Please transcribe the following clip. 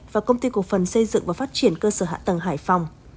và công ty cổ phần xây dựng và phát triển cơ sở hạ tầng hải phòng